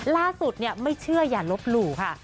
ล่าสุดไม่เชื่ออย่าลบหลู่ค่ะ